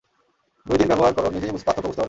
দুই দিন ব্যবহার কর, নিজেই পার্থক্য বুঝতে পারবি।